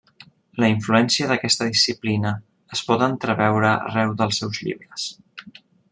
La influència d'aquesta disciplina es pot entreveure arreu dels seus llibres.